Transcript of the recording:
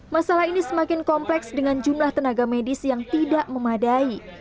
masalah ini semakin kompleks dengan jumlah tenaga medis yang tidak memadai